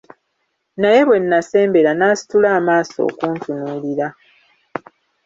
Naye bwe nasembera n'asitula amaaso okuntunuulira.